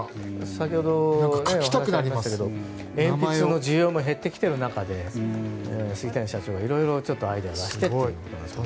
先ほどお話ありましたけど鉛筆の需要も減ってきている中で杉谷社長が色々アイデアを出してという感じなんですけど。